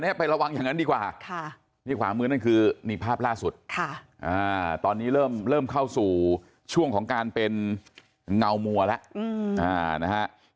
นี้ไประวังอย่างนั้นดีกว่าที่ขาเอามือคือภาพล่าสุดตอนนี้เริ่มเลิ่มเข้าสู่ช่วงของการเป็นเก่านั่งหนัวเแล้วนะครับ